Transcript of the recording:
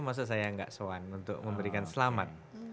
maksud saya nggak soan untuk memberikan selamat